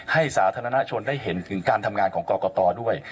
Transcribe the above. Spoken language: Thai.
สาธารณชนได้เห็นถึงการทำงานของกรกตด้วย